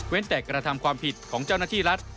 แต่กระทำความผิดของเจ้าหน้าที่รัฐ